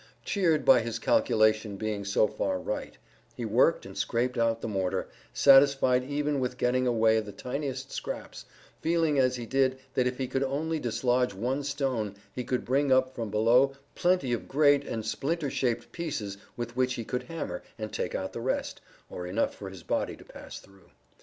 Cheered by his calculation being so far right, he worked and scraped out the mortar, satisfied even with getting away the tiniest scraps, feeling as he did that if he could only dislodge one stone he could bring up from below plenty of great and splinter shaped pieces with which he could hammer, and take out the rest, or enough for his body to pass through.